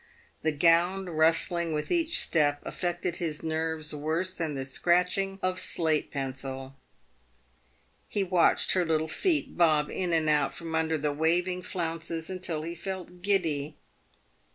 The gown rustling with each step affected his nerves worse than the scratching of slate pencil. He watched her little feet bob in and out from under the waving flounces until he felt giddy.